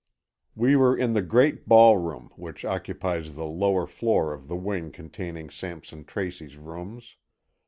We were in the great ballroom, which occupies the lower floor of the wing containing Sampson Tracy's rooms.